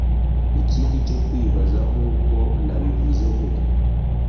Ikindi cyo kwibaza nkuko nabivuze mbere